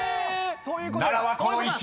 ［「奈良」はこの位置。